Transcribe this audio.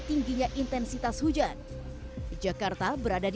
jangan lupa tonton video aplikasi lokal